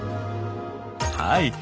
はい。